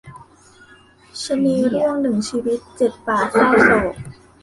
ชะนีร่วงหนึ่งชีวิต เจ็ดป่าเศร้าโศก